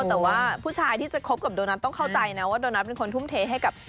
แต่ว่าผู้ชายที่จะคบกับโดนัตต้องเข้าใจนะว่า